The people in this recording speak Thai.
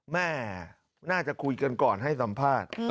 แม่น่าจะคุยกันก่อนให้สัมภาษณ์